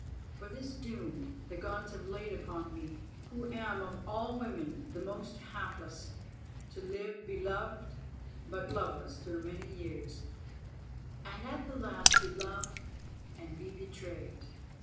For this doom the Gods have laid upon me, who am of all women the most hapless, to live beloved but loveless through many years, and at the last to love and be betrayed.